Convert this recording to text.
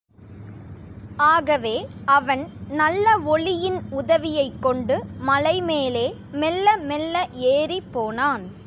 ஆகவே, அவன் நல்ல ஒளியின் உதவியைக் கொண்டு மலை மேலே மெல்ல மெல்ல ஏறிப் போனான்.